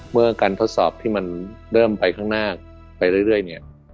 เมื่อการทดสอบที่มันเริ่มไปข้างหน้าไปเรื่อยเนี่ย